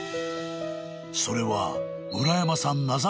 ［それは］